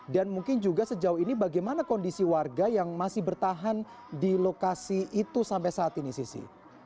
dan mungkin juga sejauh ini bagaimana kondisi warga yang masih bertahan di lokasi itu sampai saat ini sissy